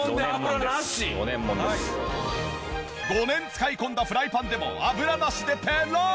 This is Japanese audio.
５年使い込んだフライパンでも油なしでペロン！